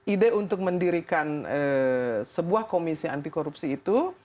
ide untuk mendirikan sebuah komisi anti korupsi itu